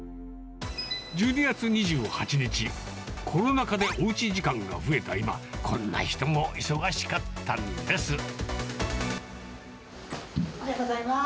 １２月２８日、コロナ禍でおうち時間が増えた今、こんな人も忙しかったんです。